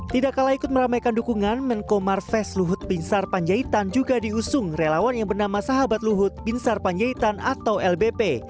tidak kalah ikut meramaikan dukungan menko marves luhut binsar panjaitan juga diusung relawan yang bernama sahabat luhut binsar panjaitan atau lbp